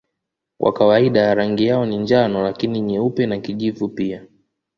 Kwa kawaida rangi yao ni njano lakini nyeupe na kijivu pia.